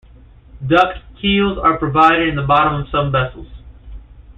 Duct keels are provided in the bottom of some vessels.